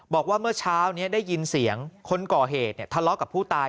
บอกว่าเมื่อเช้านี้ได้ยินเสียงคนก่อเหตุทะเลาะกับผู้ตาย